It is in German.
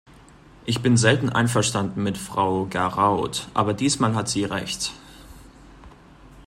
Ich bin selten einverstanden mit Frau Garaud, aber diesmal hat sie recht.